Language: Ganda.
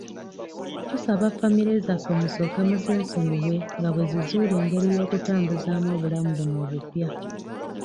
Tusaba famire zaffe musooke muzeesonyiwe nga bwe zizuula engeri y'okutambuzaamu obulamu buno obupya.